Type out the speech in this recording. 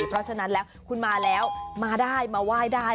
เพราะฉะนั้นแล้วคุณมาแล้วมาได้มาไหว้ได้